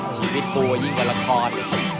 ชีวิตตัวยิ่งกว่าละคร